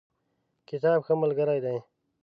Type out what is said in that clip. کتاب ښه ملګری دی.